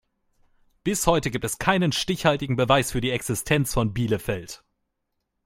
Bis heute gibt es keinen stichhaltigen Beweis für die Existenz von Bielefeld.